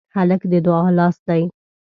هلک د دعا لاس دی.